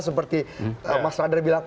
seperti mas rader bilang